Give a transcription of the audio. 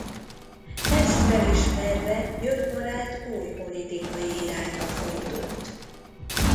Ezt felismerve György barát új politikai irányba fordult.